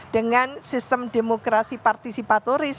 dengan sistem demokrasi partisipatoris